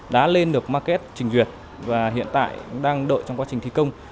đã lên được market trình duyệt và hiện tại đang đợi trong quá trình thi công